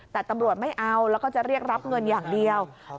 แต่ตำรวจไม่เอาแล้วก็จะเรียกรับเงินอย่างเดียว